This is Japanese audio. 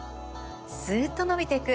スっとのびていく。